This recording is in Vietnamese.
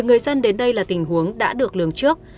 người dân đến đây là tình huống đã được lường trước